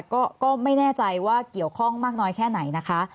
ก็ไม่แน่ใจว่าเกี่ยวข้องมากน้อยแค่ไหนนะคะ